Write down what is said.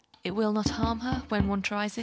It will not harm her, when one tries it?